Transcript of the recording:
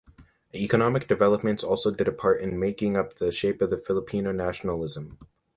Economic developments also did a part in making up the shape of Filipino Nationalism.